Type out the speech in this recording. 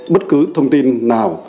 bất cứ thông tin nào